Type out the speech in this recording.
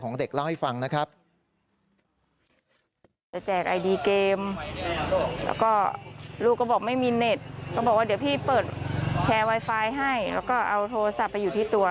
ก็บอกว่าเดี๋ยวพี่เปิดแชร์ไวไฟให้แล้วก็เอาโทรศัพท์ไปอยู่ที่ตัว